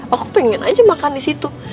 aku pengen aja makan di situ